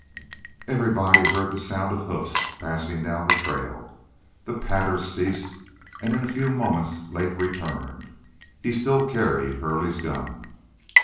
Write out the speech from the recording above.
Everybody heard the sound of hoofs passing down the trail. The patter ceased, and in a few moments Lake returned. He still carried Hurley's gun.